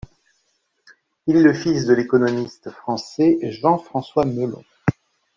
Il est le fils de l'économiste français Jean-François Melon.